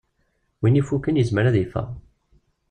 Win ifukken yezmer ad yeffeɣ.